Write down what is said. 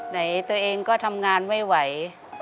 ตัวเองก็ทำงานไม่ไหว